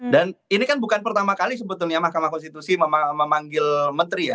dan ini kan bukan pertama kali sebetulnya mahkamah konstitusi memanggil menteri ya